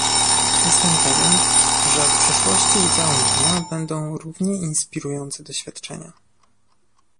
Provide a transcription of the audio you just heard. Jestem pewien, że w przyszłości udziałem pana będą równie inspirujące doświadczenia